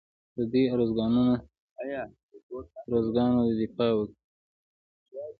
د دوی ارزوګانو دفاع وکړي